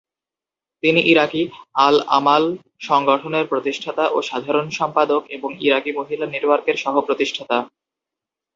তিনি ইরাকি আল-আমাল সংগঠনের প্রতিষ্ঠাতা ও সাধারণ সম্পাদক এবং ইরাকি মহিলা নেটওয়ার্কের সহ-প্রতিষ্ঠাতা।